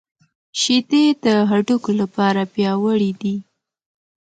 شیدې د هډوکو لپاره پياوړې دي